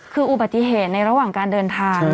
คืออุบัติเหตุในระหว่างการเดินทาง